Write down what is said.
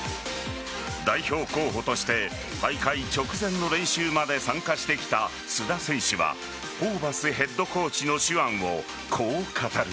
代表候補として大会直前の練習まで参加してきた須田選手はホーバスヘッドコーチの手腕をこう語る。